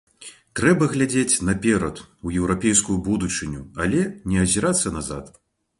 Трэба глядзець наперад, у еўрапейскую будучыню, але не азірацца назад.